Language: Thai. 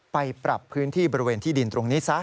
ไปปรับพื้นที่บริเวณที่ดินตรงนี้ซะ